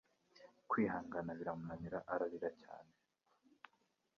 kwihangana biramunanira ararira. cyane